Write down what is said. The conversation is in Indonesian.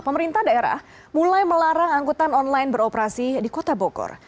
pemerintah daerah mulai melarang angkutan online beroperasi di kota bogor